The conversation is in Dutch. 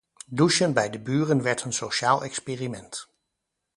Douchen bij de buren werd een sociaal experiment.